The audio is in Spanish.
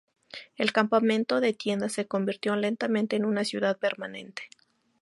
El campamento de tiendas se convirtió lentamente en una ciudad permanente.